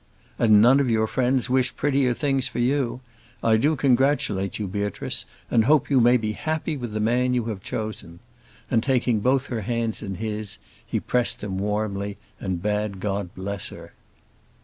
"And none of your friends wish prettier things for you. I do congratulate you, Beatrice, and hope you may be happy with the man you have chosen;" and taking both her hands in his, he pressed them warmly, and bade God bless her.